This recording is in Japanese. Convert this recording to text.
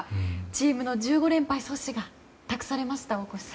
チームの１５連敗阻止が託されました。